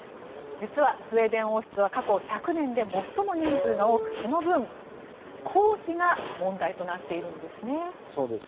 実は、スウェーデン王室は過去１００年で最も人数が多くその分、公費が問題となっているんです。